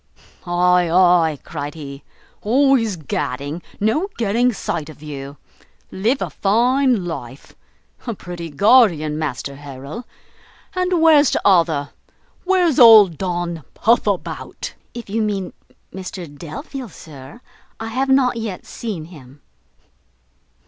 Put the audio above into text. "Ay, ay," cried he, "always gadding, no getting sight of you. Live a fine life! A pretty guardian, Master Harrel! and where's t'other? where's old Don Puffabout?" "If you mean Mr Delvile, sir, I have not yet seen him."